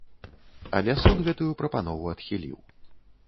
Але суд гэтую прапанову адхіліў.